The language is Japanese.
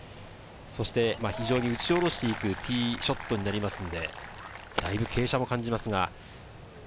そして非常に打ち下ろしていくティーショットになりますので、だいぶ傾斜も感じます。